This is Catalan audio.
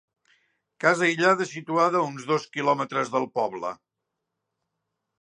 Casa aïllada situada a uns dos quilòmetres del poble.